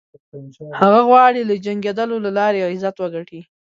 هغه غواړي له جنګېدلو له لارې عزت وګټي.